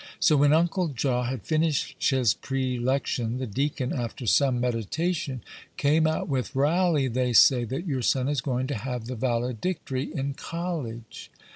So, when Uncle Jaw had finished his prelection, the deacon, after some meditation, came out with, "Railly, they say that your son is going to have the valedictory in college."